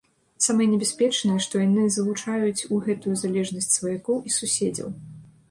Самае небяспечнае, што яны залучаюць у гэтую залежнасць сваякоў і суседзяў.